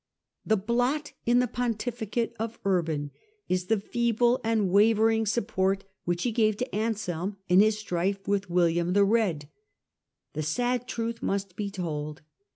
The blot in the pontificate of Urban is the feeble and wavering support which he gave t6 Anselm in his strife with William the Red. The sad truth must be told.